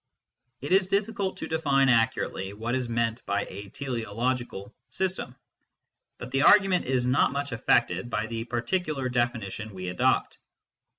It is difficult to define accurately what is meant by a " teleological " system, but the argument is not much affected by the particular definition we adopt.